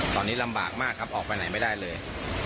ตอนนี้ลำบากมากครับออกไปไหนไม่ได้เลย